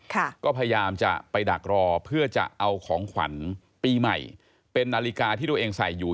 ก็พยายามจะไปดักรอเพื่อจะเอาของขวัญปีใหม่เป็นนาฬิกาที่ตัวเองใส่อยู่